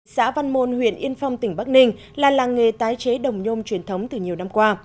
xã văn môn huyện yên phong tỉnh bắc ninh là làng nghề tái chế đồng nhôm truyền thống từ nhiều năm qua